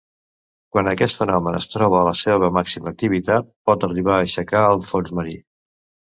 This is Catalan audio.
Quan aquest fenomen es troba en la seva màxima activitat, pot arribar a aixecar el fons marí.